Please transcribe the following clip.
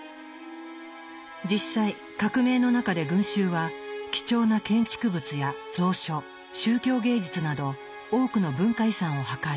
実際革命の中で群衆は貴重な建築物や蔵書宗教芸術など多くの文化遺産を破壊。